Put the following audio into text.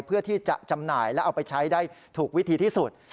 เพื่อที่จะจำหน่ายและเอาไปใช้ได้ถูกวิธีที่สุด